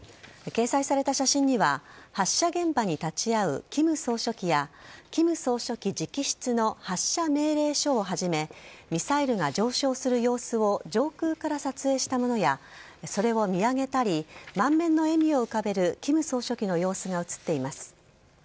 掲載された写真には発射現場に立ち会う金総書記や金総書記直筆の発射命令書をはじめミサイルが上昇する様子を上空から撮影したものやそれを見上げたり満面の笑みを浮かべる金総書記の様子が映っています。